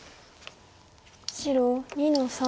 白２の三。